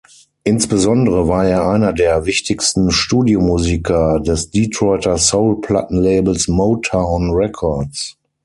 Insbesondere war er einer der wichtigsten Studiomusiker des Detroiter Soul-Plattenlabels "Motown Records".